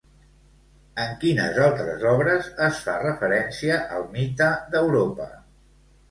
En quines altres obres es fa referència al mite d'Europa?